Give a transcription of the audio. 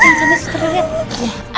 jangan sampai susternya